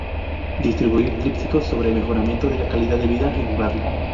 Distribuir trípticos sobre el mejoramiento de la calidad de vida en el barrio.